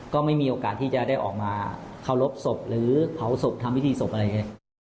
ก็ไม่มีโอกาสที่จะได้ออกมาเคารพศพหรือเผาศพทำพิธีศพอะไรอย่างนี้